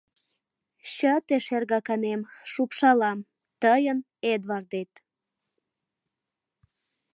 ЧЫТЕ, ШЕРГАКАНЕМ, ШУПШАЛАМ, ТЫЙЫН ЭДВАРДЕТ”